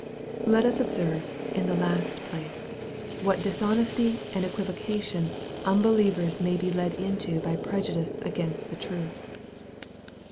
Let us observe, in the last place, what dishonesty and equivocation unbelievers may be led into by prejudice against the truth.